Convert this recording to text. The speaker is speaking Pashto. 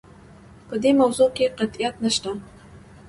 په دې موضوع کې قطعیت نشته.